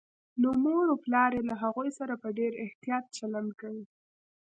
نو مور و پلار يې له هغوی سره په ډېر احتياط چلند کوي